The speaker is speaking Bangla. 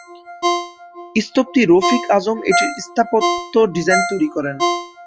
স্থপতি রফিক আজম এটির স্থাপত্য ডিজাইন তৈরী করেন।